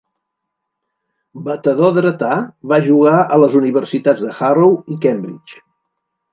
Batedor dretà, va jugar a les universitats de Harrow i Cambridge.